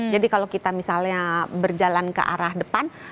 kalau kita misalnya berjalan ke arah depan